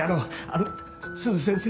あの「鈴先生」